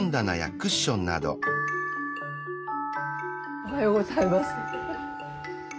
おはようございます。